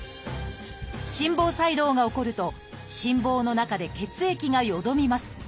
心房細動が起こると心房の中で血液がよどみます。